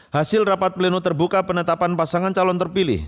hasil rapat pleno terbuka penetapan pasangan calon terpilih